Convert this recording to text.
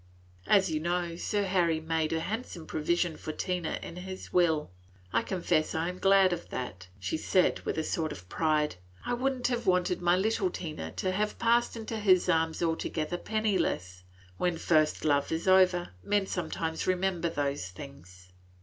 As you know, Sir Harry made a handsome provision for Tina in his will. I confess I am glad of that," she said, with a sort of pride. "I would n't want my little Tina to have passed into his arms altogether penniless. When first love is over, men sometimes remember those things."